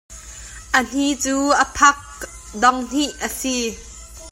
A hni cu a phak dong hnih a si.